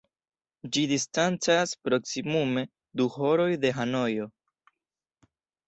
Ĝi distancas proksimume du horoj de Hanojo.